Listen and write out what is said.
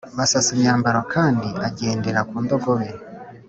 Basasa imyambaro kandi agendera ku ndogobe